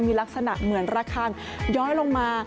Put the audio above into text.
มีลักษณะเหมือนระคังย้อยลงมา